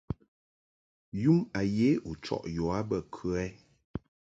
Yum a ye u chɔʼ yɔ a bə kə?